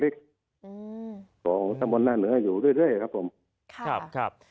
เล็กอืมของจำนวนหน้าเนื้ออยู่เรื่อยครับผมครับครับ